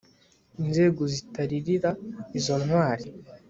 inzego zitaririra izo ntwari